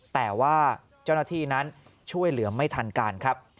แต่ว่าเจ้าหน้าที่นั้นช่วยเหลือไม่ทันการครับ